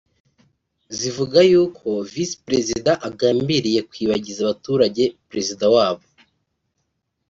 zivuga yuko Visi Perezida agambiriye kwibagiza abaturage Perezida wabo